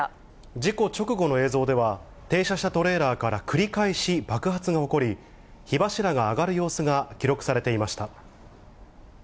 事故直後の映像では、停車したトレーラーから繰り返し爆発が起こり、火柱が上がる様子が記録されていました。